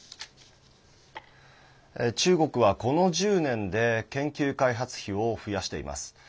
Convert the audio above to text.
中国は、この１０年で研究開発費を増やしています。